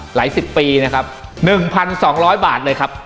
หลายสิบปีนะครับ๑๒๐๐บาทเลยครับ